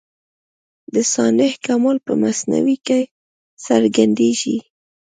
د صانع کمال په مصنوعي کي څرګندېږي.